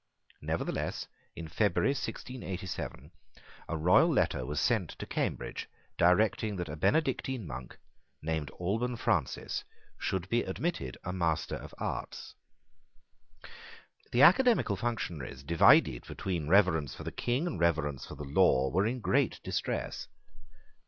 Nevertheless, in February 1687, a royal letter was sent to Cambridge directing that a Benedictine monk, named Alban Francis, should be admitted a Master of Arts. The academical functionaries, divided between reverence for the King and reverence for the law, were in great distress.